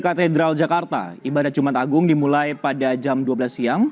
katedral jakarta ibadah jumat agung dimulai pada jam dua belas siang